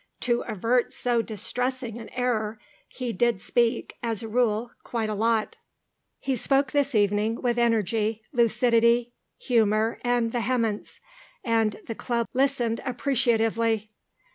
To avert so distressing an error he did speak, as a rule, quite a lot. He spoke this evening with energy, lucidity, humour, and vehemence, and the Club listened appreciatively.